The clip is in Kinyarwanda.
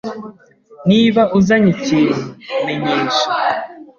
Niba uzanye ikintu, menyesha.